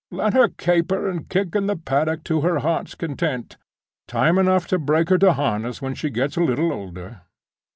Let her caper and kick in the paddock to her heart's content. Time enough to break her to harness when she gets a little older."